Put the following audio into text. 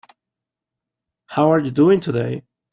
How are you doing today?